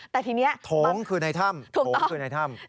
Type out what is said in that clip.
แต่ทีนี้ถงคือในถ้ำถงคือในถ้ำถูกตอบ